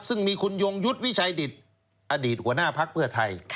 ซึ่งมีคุณยงยุทธ์วิชัยดิตอดีตหัวหน้าพักเพื่อไทย